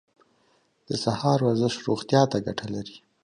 د سهار ورزش روغتیا ته ګټه لري.